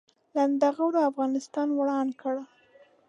لنډغرو افغانستان وران کړ